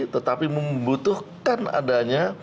tetapi membutuhkan adanya